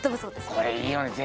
これいいよね。